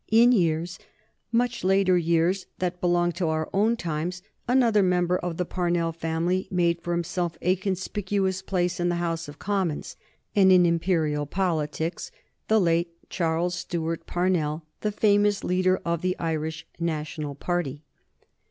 In years, much later years, that belonged to our own times another member of the Parnell family made for himself a conspicuous place in the House of Commons and in Imperial politics, the late Charles Stewart Parnell, the famous leader of the Irish National party.